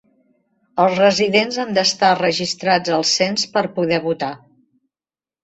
Els residents han d'estar registrats al cens per poder votar.